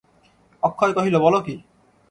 অক্ষয় কহিল, বল কী!